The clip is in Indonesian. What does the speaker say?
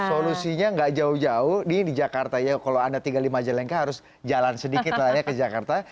solusinya nggak jauh jauh ini di jakarta ya kalau anda tiga puluh lima jelengka harus jalan sedikit lah ya ke jakarta